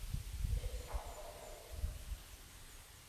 কিন্তু শক্তিকে না পাঠানোর কথা কীভাবে বলব?